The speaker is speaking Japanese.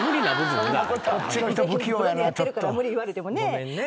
ごめんね。